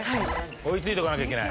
追いついとかなきゃいけない。